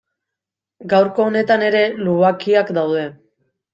Gaurko honetan ere lubakiak daude.